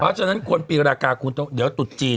เพราะฉะนั้นคนปีรากาคุณต้องเดี๋ยวตุดจีน